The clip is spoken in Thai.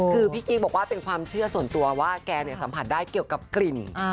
คือพี่กิ๊กบอกว่าเป็นความเชื่อส่วนตัวว่าแกสัมผัสได้เกี่ยวกับกลิ่น